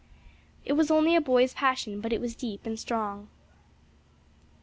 It was only a boy's passion, but it was deep and strong.